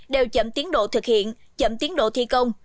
đều chậm tiến độ thực hiện chậm tiến độ thi công